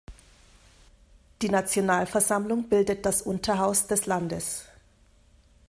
Die Nationalversammlung bildet das Unterhaus des Landes.